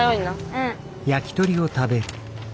うん。